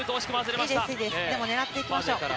いいです、でも、狙っていきましょう。